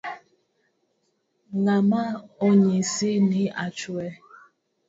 Ng’a ma onyisi ni achwe?